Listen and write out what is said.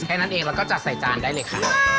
แค่นั้นเองแล้วก็จัดใส่จานได้เลยค่ะ